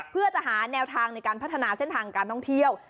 เพื่อจะหาแนวทางในการพัฒนาเส้นทางการท่องเที่ยว